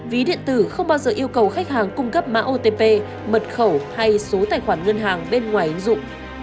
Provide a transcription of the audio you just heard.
ví điện tử không bao giờ yêu cầu khách hàng cung cấp mã otp mật khẩu hay số tài khoản ngân hàng bên ngoài ứng dụng